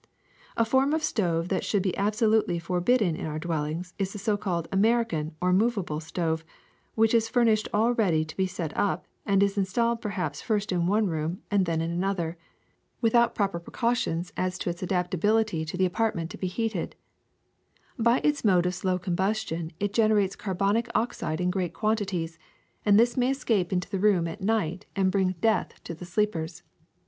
*^A form of stove that should be absolutely forbid den in our dwellings is the so called American or movable stove, which is furnished all ready to be set up and is installed perhaps first in one room and then in another, without proper precautions as to its 1 The European built in stove of tile or brick is here meant. — Translator. IMPURE AIR 307 adaptability to the apartment to be heated. By its mode of slow combustion it generates carbonic oxide in great quantities, and this may escape into the room at night and bring death to the sleepers.